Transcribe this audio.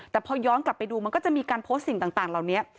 แต่พอย้อนกลับไปดูมันก็จะมีการโพสต์สิ่งต่างเหล่านี้